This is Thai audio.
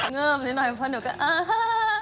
เงิบนิดหน่อยเพราะหนูก็อ่าฮ่า